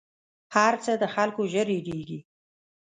هر څه د خلکو ژر هېرېـږي